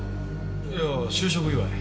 いやあ就職祝い。